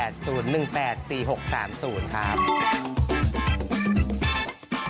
ก๋วยเตี๋ยวเรือชักทง